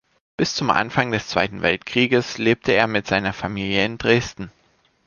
Bis zum Anfang des Zweiten Weltkrieges lebte er mit seiner Familie in Dresden.